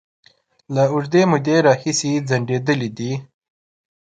له اوږدې مودې راهیسې ځنډيدلې دي